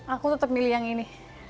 aku tetap milih yang ini